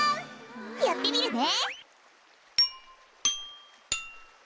やってみるね！